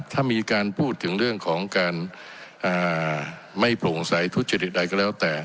ถ้ามีการพูดถึงเรื่องของการไม่โปร่งใสทุจริตใดก็แล้วแต่